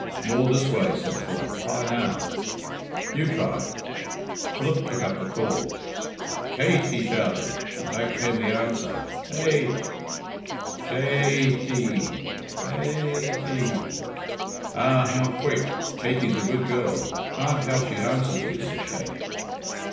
"More this way," said Philip. "Try now." "You try." Philip took up the call. "Kate!" he shouted, and back came the answer, Ate! "Kate y!" Ate y. "Ah! how quick! Katey's a good girl. Hark how she answers you," said Kate.